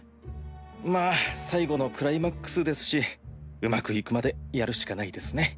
まあ最後のクライマックスですしうまくいくまでやるしかないですね。